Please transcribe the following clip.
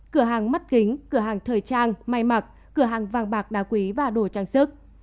cửa hàng mắt kính cửa hàng thời trang may mặc cửa hàng vàng bạc đá quý và đồ trang sức